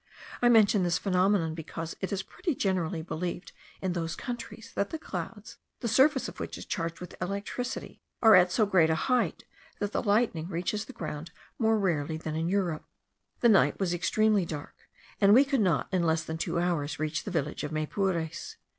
I mention this phenomenon, because it is pretty generally believed in those countries that the clouds, the surface of which is charged with electricity, are at so great a height that the lightning reaches the ground more rarely than in Europe. The night was extremely dark, and we could not in less than two hours reach the village of Maypures.